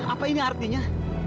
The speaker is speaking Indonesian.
apa ini artinya